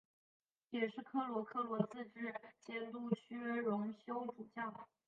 也是科罗科罗自治监督区荣休主教。